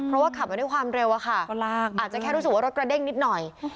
เพราะว่าขับมาด้วยความเร็วอะค่ะอาจจะแค่รู้สึกว่ารถกระเด้งนิดหน่อย